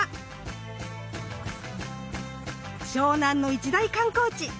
湘南の一大観光地！